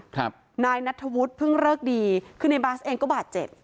ครับนายนัทธวุฒิเพิ่งเลิกดีคือในบาสเองก็บาดเจ็บ